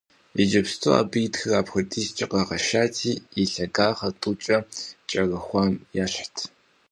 Иджыпсту абы и тхыр апхуэдизкӀэ къэгъэшати, и лъагагъым тӀукӀэ кӀэрыхуам ещхьт.